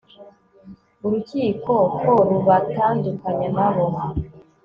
urukiko ko rubatandukanya nabo